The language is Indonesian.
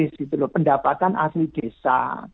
jadi itu pendapatan asli desa